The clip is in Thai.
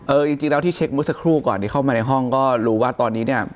จริงแล้วที่เช็คเมื่อสักครู่ก่อนที่เข้ามาในห้องก็รู้ว่าตอนนี้เนี่ย